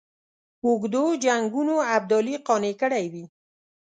اوږدو جنګونو ابدالي قانع کړی وي.